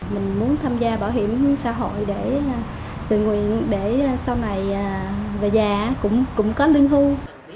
mình muốn tham gia bảo hiểm xã hội tự nguyện để sau này về già cũng có lương hưu